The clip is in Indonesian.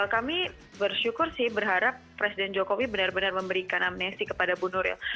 kami bersyukur sih berharap presiden jokowi benar benar memberikan amnesti kepada bu nuril